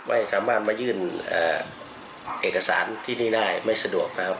ไม่สามารถมายื่นเอกสารที่นี่ได้ไม่สะดวกนะครับ